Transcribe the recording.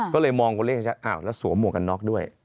ก็เลยมองกันเรียกซักแล้วสั่วมัวกันน็อคด้วย